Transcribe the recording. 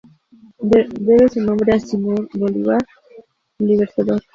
Debe su nombre a Simón Bolívar "El Libertador".